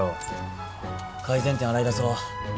改善点洗い出そう。